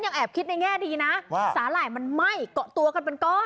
แอบคิดในแง่ดีนะว่าสาหร่ายมันไหม้เกาะตัวกันเป็นก้อน